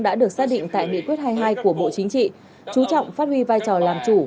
đã được xác định tại nghị quyết hai mươi hai của bộ chính trị chú trọng phát huy vai trò làm chủ